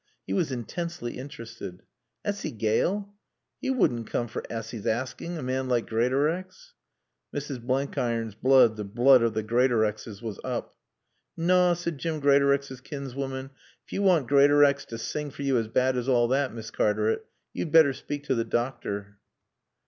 He was intensely interested. "Assy Gaale? He would n' coom for Assy's asskin', a man like Greatorex." Mrs. Blenkiron's blood, the blood of the Greatorexes, was up. "Naw," said Jim Greatorex's kinswoman, "if you want Greatorex to sing for you as bad as all that, Miss Cartaret, you'd better speak to the doctor."